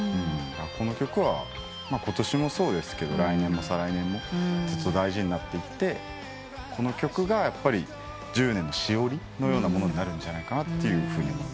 この曲はことしもそうですけど来年も再来年もずっと大事になっていってこの曲が１０年のしおりのようなものになるんじゃないかなっていうふうに思いました。